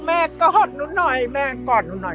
กอดหนูหน่อยแม่กอดหนูหน่อย